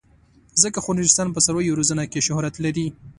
ځکه خو نورستان په څارویو روزنه کې شهرت لري.